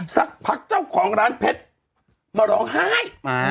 สักพักเจ้าของร้านเพชรมาร้องไห้